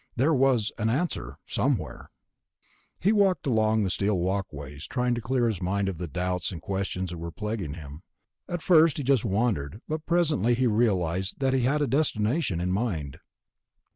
There was an answer, somewhere. He walked on along the steel walkways, trying to clear his mind of the doubts and questions that were plaguing him. At first he just wandered, but presently he realized that he had a destination in mind.